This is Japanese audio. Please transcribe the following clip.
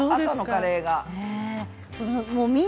このカレー。